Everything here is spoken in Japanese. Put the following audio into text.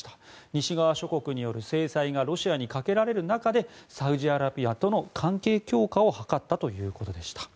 西側諸国による制裁がロシアにかけられる中でサウジアラビアとの関係強化を図ったということでした。